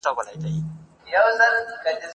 تېره اونۍ په عامه کتابتون کي د کتابونو تنوع زياته سوه.